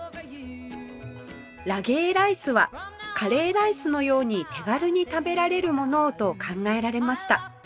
ラゲーライスはカレーライスのように手軽に食べられるものをと考えられました